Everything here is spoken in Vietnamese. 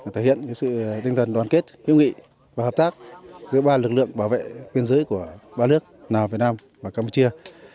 thể hiện sự linh thần đoàn kết hiếu nghị và hợp tác giữa ba lực lượng bảo vệ biên giới của ba nước lào việt nam và campuchia